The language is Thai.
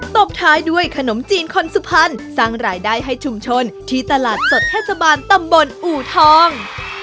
บท้ายด้วยขนมจีนคนสุพรรณสร้างรายได้ให้ชุมชนที่ตลาดสดเทศบาลตำบลอูทอง